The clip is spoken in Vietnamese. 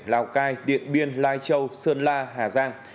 lào cai điện biên lai châu sơn la hà giang